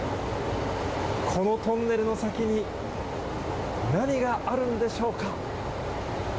このトンネルの先に、何があるんでしょうか。